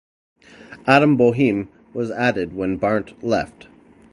Adam Boehm was added when Barnt left.